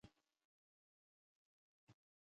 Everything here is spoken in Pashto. توت مخ مه اوسئ